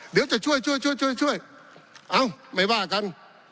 เดี๋ยวจะช่วยช่วยช่วยเอ้าไม่ว่ากัน